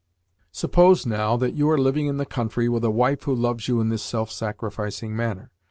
Suppose, now, that you are living in the country with a wife who loves you in this self sacrificing manner.